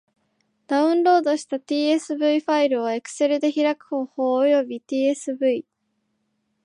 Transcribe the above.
ダウンロードした tsv ファイルを Excel で開く方法及び tsv ...